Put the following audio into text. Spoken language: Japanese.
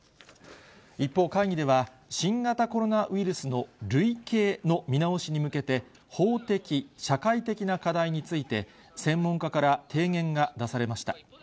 一方、会議では新型コロナウイルスの類型の見直しに向けて、法的・社会的な課題について、専門家から提言が出されました。